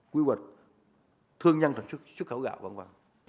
quy hoạch thương nhân sản xuất khẩu gạo